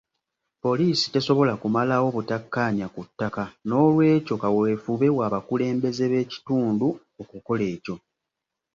Poliisi tesobola kumalawo butakkaanya ku ttaka n'olwekyo kaweefube w'abakulembeze b'ekitundu okukola ekyo.